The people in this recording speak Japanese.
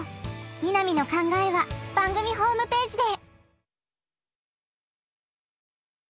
「みなみの考え」は番組ホームページで！